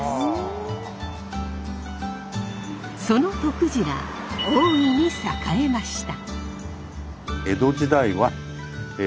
そのとくじら大いに栄えました。